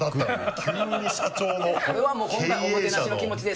これはもう今回おもてなしの気持ちで。